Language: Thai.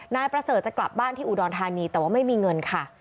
นายประเสริฐจะกลับบ้านที่อุดรธานีแต่ว่าไม่มีเงินค่ะ